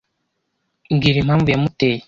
Mbwira impamvu yamuteye.